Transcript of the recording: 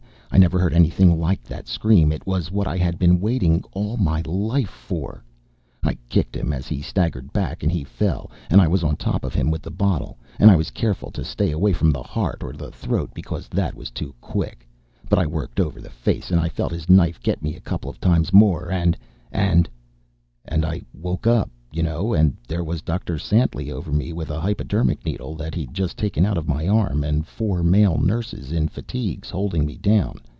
I never heard anything like that scream. It was what I had been waiting all my life for. I kicked him as he staggered back, and he fell. And I was on top of him, with the bottle, and I was careful to stay away from the heart or the throat, because that was too quick, but I worked over the face, and I felt his knife get me a couple times more, and And And I woke up, you know. And there was Dr. Santly over me with a hypodermic needle that he'd just taken out of my arm, and four male nurses in fatigues holding me down.